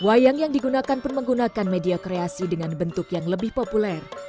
wayang yang digunakan pun menggunakan media kreasi dengan bentuk yang lebih populer